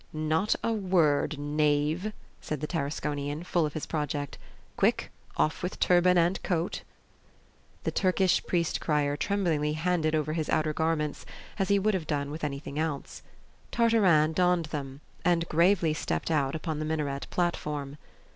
"Not a word, knave!" said the Tarasconian, full of his project. "Quick! Off with turban and coat!" The Turkish priest crier tremblingly handed over his outer garments, as he would have done with anything else. Tartarin donned them, and gravely stepped out upon the minaret platform.